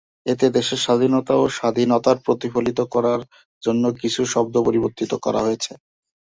এতে দেশের স্বাধীনতা এবং স্বাধীনতার প্রতিফলিত করার জন্য কিছু শব্দ পরিবর্তিত করা হয়েছে।